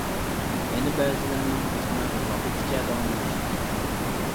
يەنە بەزىلىرىنىڭ ئازغىنە بىر ۋاقىتقىچە داۋاملىشىدۇ.